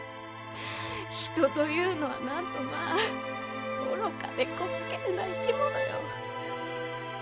人というのはなんとまぁ愚かで滑稽な生き物よ。